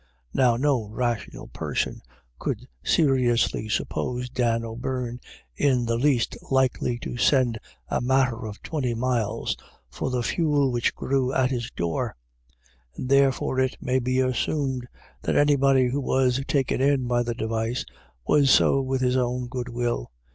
Now, no rational person could no IRISH IDYLLS. seriously suppose Dan O'Beirne in the least likely to send a matter of twenty miles for the fuel which grew at his door ; and therefore it may be assumed that anybody who was taken in by the device, was so with his own good will.